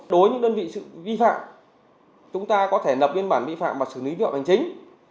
đối với những đơn vị vi phạm chúng ta có thể lập biên bản vi phạm và xử lý vi phạm hành chính